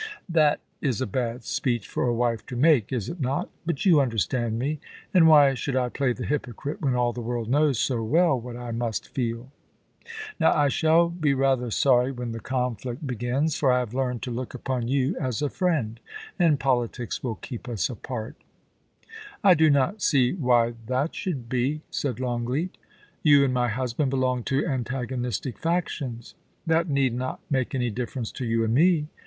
That is a bad speech for a wife to make, is it not ? But you understand me ; and why should I play the hypocrite when all the world knows so well what I must feel ? Now I shall be rather sorry when the conflict 4D POUCY AND PASSION. begins, for I have learned to look upon you as a friend, and politics will keep us apart* * I do not see why that should be,* said Longleat * You and my husband belong to antagonistic factions.' *That need not make any difference to you and me.